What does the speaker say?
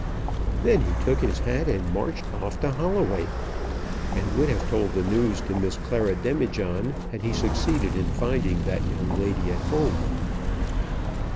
Then he took his hat and marched off to Holloway, and would have told the news to Miss Clara Demijohn had he succeeded in finding that young lady at home.